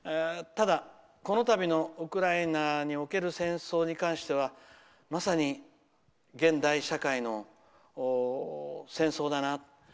ただ、このたびのウクライナにおける戦争に関してはまさに現代社会の戦争だなと。